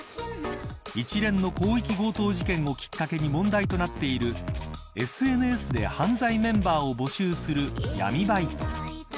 一連の広域強盗事件をきっかけに問題となっているＳＮＳで犯罪メンバーを募集する闇バイト。